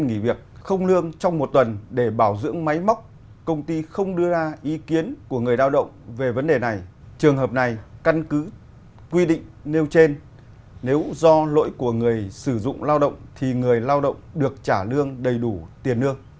nếu do lỗi của người sử dụng lao động thì người lao động được trả lương đầy đủ tiền lương